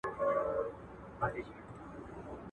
دلته چې راتلو شپې مو د اور سره منلي وې.